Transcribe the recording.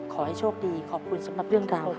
ขอให้โชคดีขอบคุณสำหรับเรื่องราว